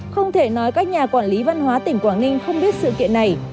không thể nói các nhà quản lý văn hóa tỉnh quảng ninh không biết sự kiện này